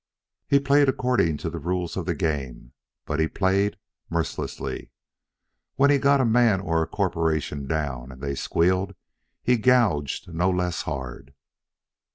He played according to the rules of the game, but he played mercilessly. When he got a man or a corporation down and they squealed, he gouged no less hard.